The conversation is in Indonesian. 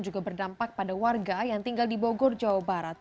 juga berdampak pada warga yang tinggal di bogor jawa barat